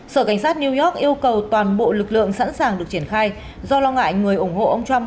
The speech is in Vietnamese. sở cảnh sát new york yêu cầu toàn bộ lực lượng sẵn sàng được triển khai do lo ngại người ủng hộ ông trump